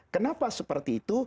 kenapa seperti itu